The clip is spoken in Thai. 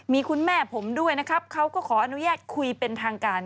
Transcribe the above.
มีคุณแม่ผมด้วยนะครับเขาก็ขออนุญาตคุยเป็นทางการ